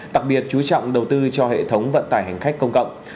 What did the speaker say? đặc biệt chú trọng đầu tư cho hệ thống vận tải hành khách công cộng